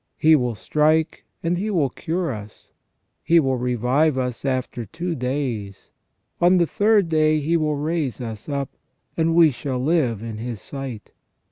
He will strike, and He will cure us. He will revive us after two days ; on the third day He will raise us up, and we shall live in His sight.